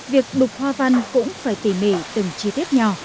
việc đục hoa văn cũng phải tỉ mỉ từng chi tiết nhỏ